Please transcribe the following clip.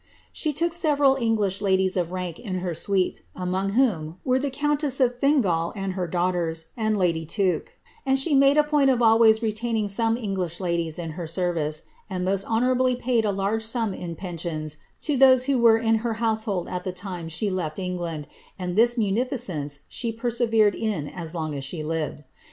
She took several fUiglish ladies of rank in her suite, among fiooi were the countess of Fingall and her daughters, and lady Tuke ; d she made a point of always retaining some English ladies in her ser :e, and most honourably paid a large sum in pensions to those who sre in her household at the time she left Enffland, and this munificence e persevered in as long as she lived.